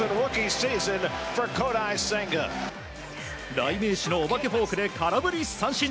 代名詞のお化けフォークで空振り三振。